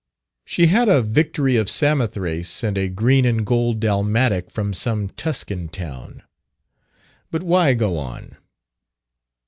She had a Victory of Samothrace and a green and gold dalmatic from some Tuscan town But why go on?